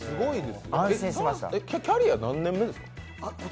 キャリア何年目ですか？